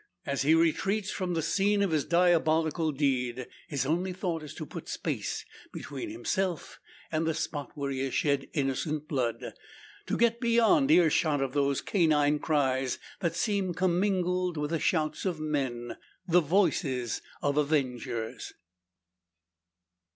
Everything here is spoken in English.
As he retreats from the scene of his diabolical deed, his only thought is to put space between himself and the spot where he has shed innocent blood; to get beyond earshot of those canine cries, that seem commingled with the shouts of men the voices of avengers!